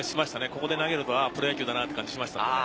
ここで投げるとプロ野球だなという感じがしました。